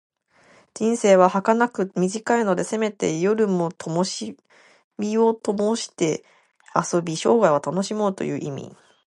人生ははかなく短いので、せめて夜も灯をともして遊び、生涯を楽しもうという意味。